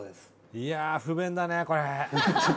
いやあ不便だねこれ。